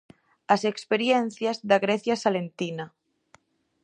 As experiencias da Grecia Salentina.